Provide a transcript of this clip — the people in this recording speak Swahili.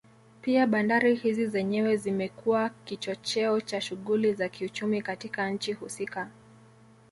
Pia bandari hizi zenyewe zimekuwa kichocheo cha shughuli za kiuchumi katika nchi husika